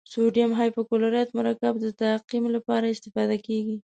سوډیم هایپوکلورایت مرکب د تعقیم لپاره استفاده کیږي.